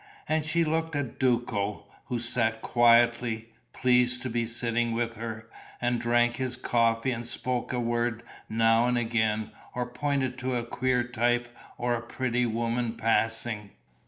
And she looked at Duco, who sat quietly, pleased to be sitting with her, and drank his coffee and spoke a word now and again or pointed to a queer type or a pretty woman passing....